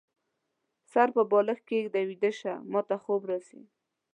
سر په بالښت کيږده ، ويده شه ، ماته خوب راځي